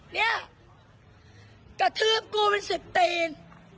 เนี่ยกระทืบกูเป็น๑๐ตีน